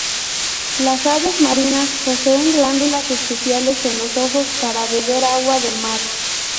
Las aves marinas poseen glándulas especiales en los ojos para beber agua del mar.